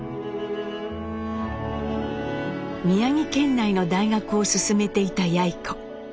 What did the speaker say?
宮城県内の大学を勧めていたやい子。